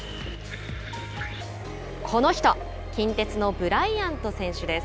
この人近鉄のブライアント選手です。